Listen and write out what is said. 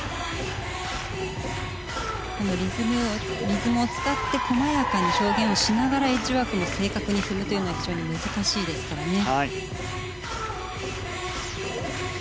リズムを使って軽やかに表現をしながらエッジワークも正確に踏むというのは非常に難しいですからね。